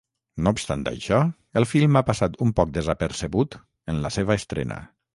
No obstant això, el film ha passat un poc desapercebut en la seva estrena.